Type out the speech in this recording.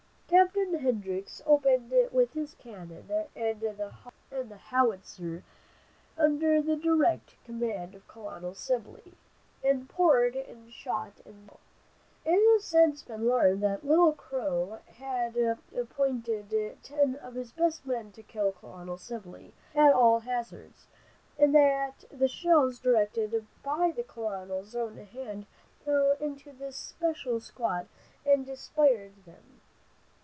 Captain Hendricks opened with his cannon and the howitzer under the direct command of Colonel Sibley, and poured in shot and shell. It has since been learned that Little Crow had appointed ten of his best men to kill Colonel Sibley at all hazards, and that the shells directed by the colonel's own hand fell into this special squad and dispersed them.